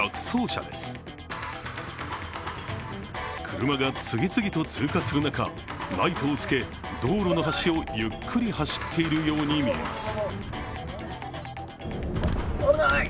車が次々と通過する中ライトをつけ道路の端をゆっくりと走っているように見えます。